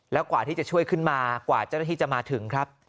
แล้วกว่าที่จะช่วยขึ้นมากว่าเจ้าหน้าที่จะมาถึงครับ